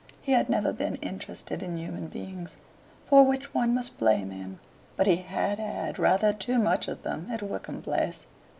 He had never been interested in human beings, for which one must blame him, but he had had rather too much of them at Wickham Place.